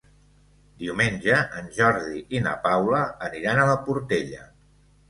Diumenge en Jordi i na Paula aniran a la Portella.